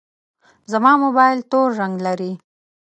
زما موبایل تور رنګ لري.